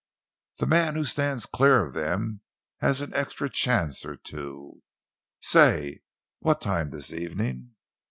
The man who stands clear of them has an extra chance or two Say, what time this evening?"